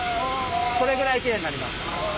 これぐらいきれいになります。